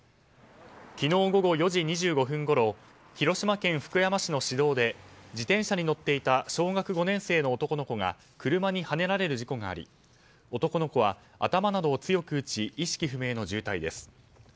昨日午後４時２５分ごろ広島県福山市の市道で自転車に乗っていた小学５年生の男の子が車にはねられる事故があり男の子は頭などを強く打ち意識不明の重体です。